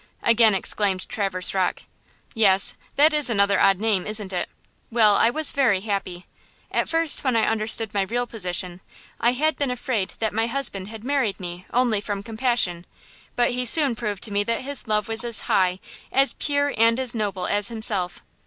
again exclaimed Traverse Rocke. "Yes! that is another odd name, isn't it? Well, I was very happy. At first when I understood my real position, I had been afraid that my husband had married me only from compassion; but he soon proved to me that his love was as high, as pure and as noble as himself.